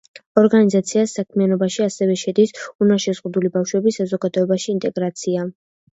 ორგანიზაციის საქმიანობაში ასევე შედის უნარშეზღუდული ბავშვების საზოგადოებაში ინტეგრაცია.